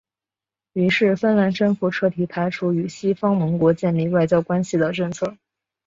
于是芬兰政府彻底排除与西方盟国建立外交关系的政策。